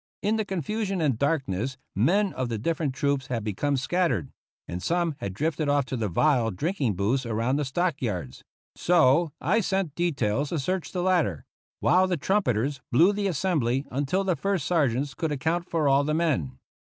In the confusion and darkness men of the different 50 TO CUBA troops had become scattered, and some had drifted off to the vile drinking booths around the stock yards ; so I sent details to search the latter, while the trumpeters blew the assembly until the First Sergeants could account for all the men.